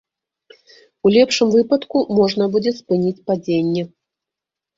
У лепшым выпадку, можна будзе спыніць падзенне.